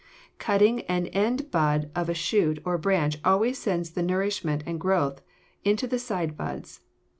Cutting an end bud of a shoot or branch always sends the nourishment and growth into the side buds.